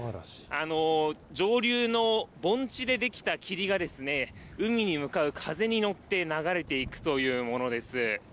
上流の盆地で出来た霧がですね、海に向かう風に乗って流れていくというものです。